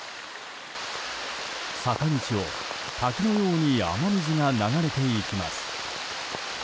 坂道を滝のように雨水が流れていきます。